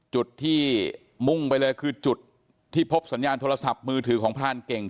จุดที่มุ่งไปเลยคือจุดที่พบสัญญาณโทรศัพท์มือถือของพรานเก่ง